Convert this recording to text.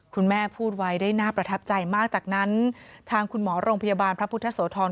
คุณแม่พูดไว้ได้น่าประทับใจมากจากนั้นทางคุณหมอโรงพยาบาลพระพุทธโสธร